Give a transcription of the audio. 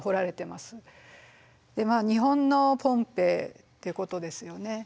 日本のポンペイっていうことですよね。